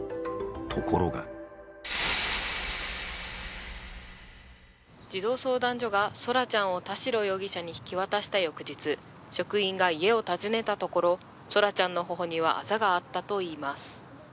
ところが児童相談所が空来ちゃんを田代容疑者に引き渡した翌日、職員が言えを訪ねたところ、空来ちゃんの頬にはあざがあったといいます。